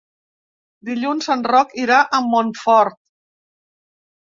Dilluns en Roc irà a Montfort.